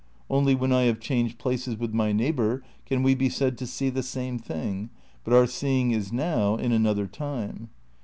Only when I have changed places with my neighbour can we be said to see the same thing, but our seeing is now in another time.